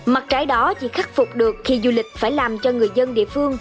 mặt trái đó chỉ khắc phục được khi du lịch phải làm cho người dân địa phương